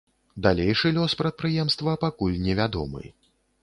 Далейшы лёс прадпрыемства пакуль не вядомы.